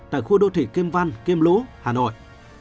tại khu đô thị kim văn kim lũ hà nội